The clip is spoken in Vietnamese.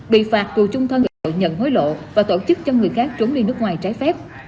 bị phạt tù chung thân tội nhận hối lộ và tổ chức cho người khác trốn đi nước ngoài trái phép